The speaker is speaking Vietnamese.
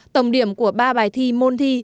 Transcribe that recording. tổng điểm của ba bài thi môn thi